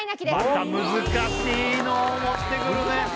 また難しいのを持ってくるね